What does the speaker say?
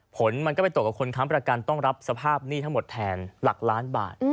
ผลมันก็ไปตกกับคนค้ำประกันต้องรับสภาพหนี้ทั้งหมดแทนหลักล้านบาท